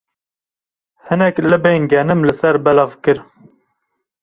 Hinek libên genim li ser belav kir.